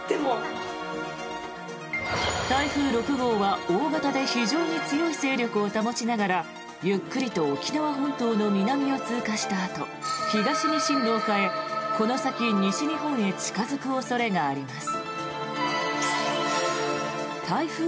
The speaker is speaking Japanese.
台風６号は大型で非常に強い勢力を保ちながらゆっくりと沖縄本島の南を通過したあと東に進路を変え、この先西日本へ近付く恐れがあります。